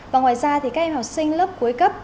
và ngoài ra thì các em học sinh lớp cuối cấp